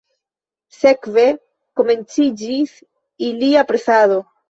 Sekve komenciĝis ilia presado.